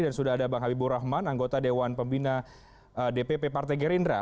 dan sudah ada bang habibur rahman anggota dewan pembina dpp partai gerindra